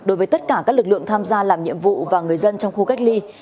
đối với tất cả các lực lượng tham gia làm nhiệm vụ và người dân trong khu cách ly